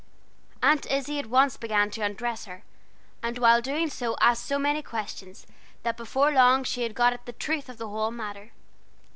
Aunt Izzie at once began to undress her, and while doing so asked so many questions, that before long she had got at the truth of the whole matter.